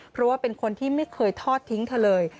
เพราะว่าเป็นคนที่ไม่เคยทอดทิ้งเธอเลย